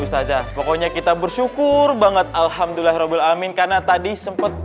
ustazah pokoknya kita bersyukur banget alhamdulillah robbil amin karena tadi sempet